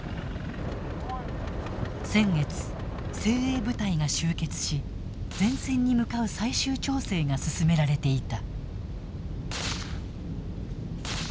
先月、精鋭部隊が集結し前線に向かう最終調整が進められていた。